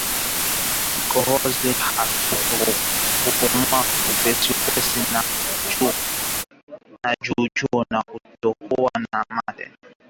Kikohozi hafifu kupumua upesiupesi na kwa juujuu na kutokwa na mate